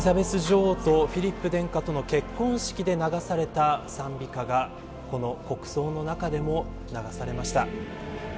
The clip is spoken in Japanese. エリザベス女王とフィリップ殿下との結婚式で流された賛美歌がこの国葬の中でも流されました。